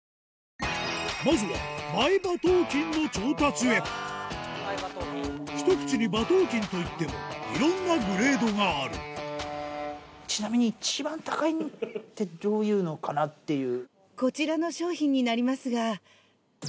まずはひと口に馬頭琴といってもいろんなグレードがあるどういうのかなっていう。